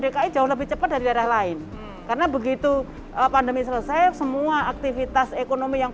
dki jauh lebih cepat dari daerah lain karena begitu pandemi selesai semua aktivitas ekonomi yang